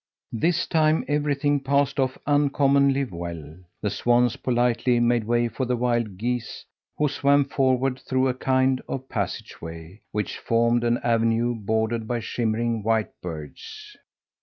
This time everything passed off uncommonly well. The swans politely made way for the wild geese, who swam forward through a kind of passageway, which formed an avenue bordered by shimmering, white birds.